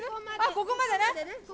ここまでね。